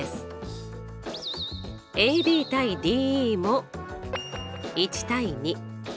ＡＢ：ＤＥも１：２。